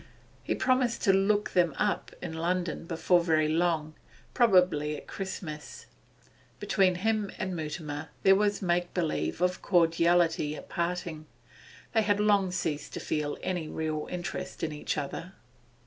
He promised to 'look them up' in London before very long, probably at Christmas. Between him and Mutimer there was make believe of cordiality at parting; they had long ceased to feel any real interest in each other.